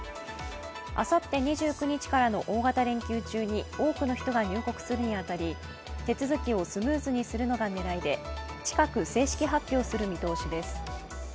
あさって２９日からの大型連休中に多くの人が入国するのに当たり手続きをスムーズにするのが狙いで近く正式発表する見通しです。